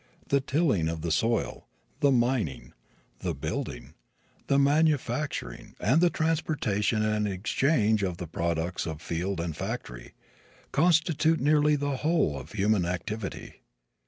The tilling of the soil, the mining, the building, the manufacturing, and the transportation and exchange of the products of field and factory, constitute nearly the whole of human activity.